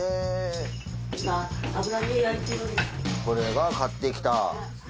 これは買ってきた。